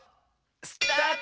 スタート！